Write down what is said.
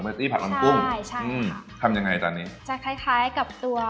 สปาเกตตี้ผักมันกุ้งใช่ใช่ค่ะทำยังไงจานนี้จะคล้ายกับตัว